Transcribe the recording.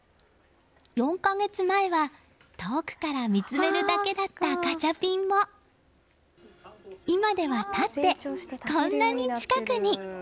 ４か月前は遠くから見つめるだけだったガチャピンも今では立ってこんなに近くに。